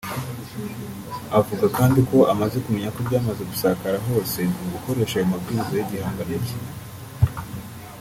Avuga kandi ko amaze kumenya ko byamaze gusakara hose mu gukoresha ayo mabwiriza y’igihangano cye